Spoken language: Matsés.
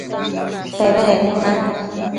Pebedednu na